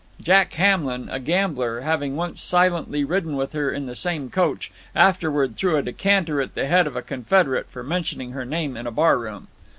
Jack Hamlin, a gambler, having once silently ridden with her in the same coach, afterward threw a decanter at the head of a confederate for mentioning her name in a barroom.